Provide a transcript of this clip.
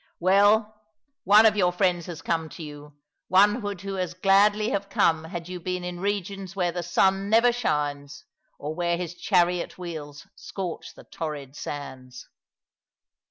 '*" Well, one of your friends has come to you, one who would as gladly have come had you been in regions where the sun never shines, or where his chariot wheels scorch the torrid Bands."